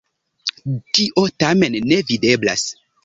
Tio tamen ne videblas.